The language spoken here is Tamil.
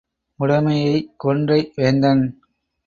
உடைமையை, கொன்றை வேந்தன்.